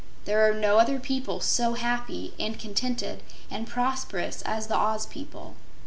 There are no other people so happy and contented and prosperous as the Oz people.